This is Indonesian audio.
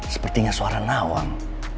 sepertinya suara nawang